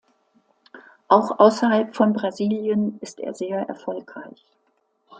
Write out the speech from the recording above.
Auch außerhalb von Brasilien ist er sehr erfolgreich.